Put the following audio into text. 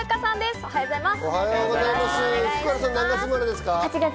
おはようございます。